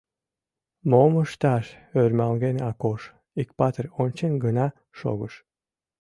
Мом ышташ ӧрмалген, Акош иктапыр ончен гына шогыш.